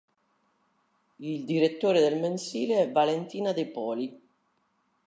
Il direttore del mensile è Valentina De Poli.